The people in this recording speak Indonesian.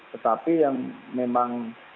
tetapi yang memang